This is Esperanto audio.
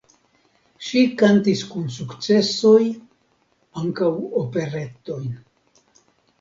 Ŝi kantis kun sukcesoj ankaŭ operetojn.